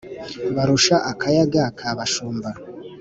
Barusha akayaga kabashumba.